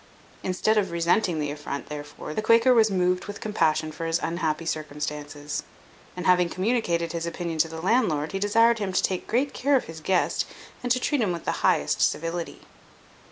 Instead of resenting the affront, therefore, the Quaker was moved with compassion for his unhappy circumstances; and having communicated his opinion to the landlord, he desired him to take great care of his guest, and to treat him with the highest civility.